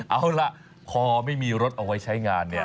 เอาละพอไม่มีรถเอาไว้ใช้งาน